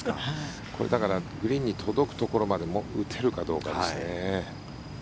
これ、グリーンに届くところまで打てるかどうかですね。